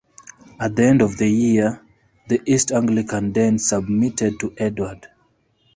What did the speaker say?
At the end of the year, the East Anglian Danes submitted to Edward.